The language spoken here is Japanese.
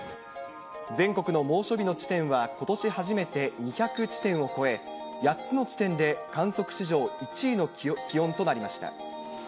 全国の猛暑日の地点はことし初めて２００地点を超え、８つの地点で観測史上１位の気温となりました。